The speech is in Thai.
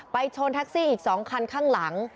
ชนแท็กซี่อีก๒คันข้างหลัง